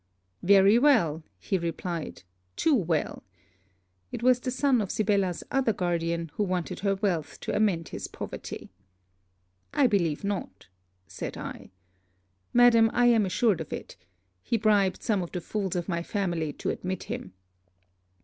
'Very well,' he replied, 'too well.' It was the son of Sibella's other guardian who wanted her wealth to amend his poverty. 'I believe not,' said I. 'Madam, I am assured of it. He bribed some of the fools of my family to admit him.'